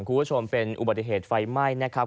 คุณผู้ชมเป็นอุบัติเหตุไฟไหม้นะครับ